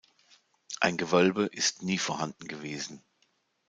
Ein Gewölbe ist nie vorhanden gewesen.